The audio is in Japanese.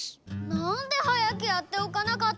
なんではやくやっておかなかったのさ？